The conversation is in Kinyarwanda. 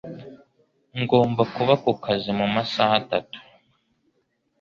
Ngomba kuba ku kazi mu masaha atatu.